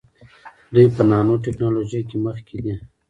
دوی په نانو ټیکنالوژۍ کې مخکې دي.